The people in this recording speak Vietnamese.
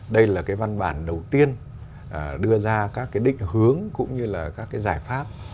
đây là văn bản đầu tiên đưa ra các định hướng cũng như là các giải pháp